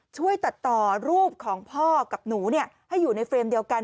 ช่วยตัดต่อรูปของพ่อกับหนูให้อยู่ในเฟรมเดียวกัน